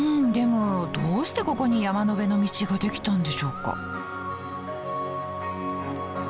でもどうしてここに山辺の道ができたんでしょうか？